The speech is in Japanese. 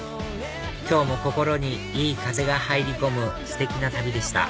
今日も心にいい風が入り込むステキな旅でした